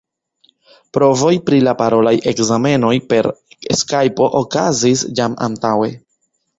Provoj pri la parolaj ekzamenoj per Skajpo okazis jam antaŭe.